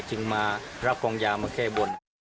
จึงมารับกองยามาแก้บน